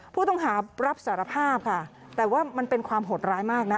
ผู้ต้องหารับสารภาพค่ะแต่ว่ามันเป็นความโหดร้ายมากนะ